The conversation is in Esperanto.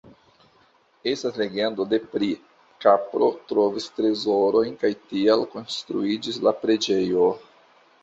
Estas legendo de pri: kapro trovis trezorojn kaj tial konstruiĝis la preĝejo.